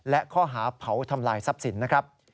และข้อหาเผาทำลายทรัพย์สินนะครับ